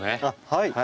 はい。